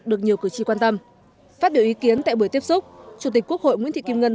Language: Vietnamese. được nhiều cử tri quan tâm phát biểu ý kiến tại buổi tiếp xúc chủ tịch quốc hội nguyễn thị kim ngân